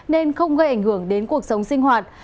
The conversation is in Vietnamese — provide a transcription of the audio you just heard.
nên không gây ảnh hưởng đến cuộc sống sinh hoạt